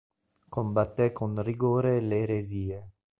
Combatté con rigore le eresie.